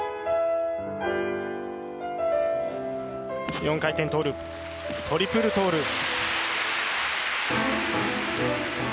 ４回転トゥループトリプルトゥループ。